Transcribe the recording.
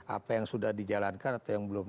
apa yang sudah dijalankan atau yang belum